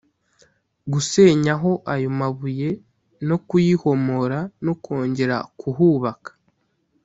gusenyaho ayo mabuye no kuyihomora no kongera kuhubaka